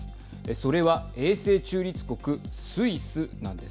それは永世中立国スイスなんです。